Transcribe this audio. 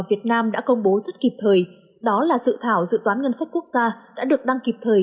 việt nam đã công bố rất kịp thời đó là dự thảo dự toán ngân sách quốc gia đã được đăng kịp thời